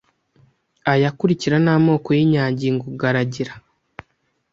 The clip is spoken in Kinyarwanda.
Aya akurikira ni amoko y’inyangingo ngaragira.